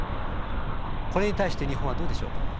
これに対して日本はどうでしょうか？